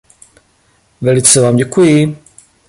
Velice vám děkuji!